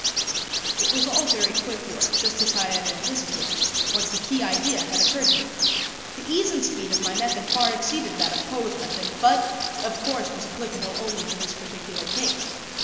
It was all very quick work, just as I had anticipated, once the key idea had occurred to me. The ease and speed of my method far exceeded that of Poe's method, but, of course, was applicable only to this particular case.